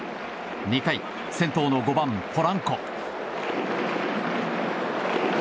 ２回、先頭の５番ポランコ。